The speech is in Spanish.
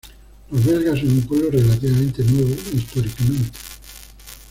Los belgas son un pueblo relativamente "nuevo" históricamente.